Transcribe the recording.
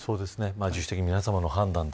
自主的に皆さまの判断で。